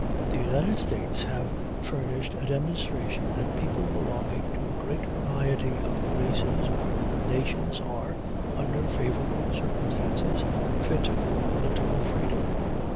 The United States have furnished a demonstration that people belonging to a great variety of races or nations are, under favorable circumstances, fit for political freedom.